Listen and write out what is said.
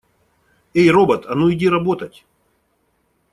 Эй, робот, а ну иди работать!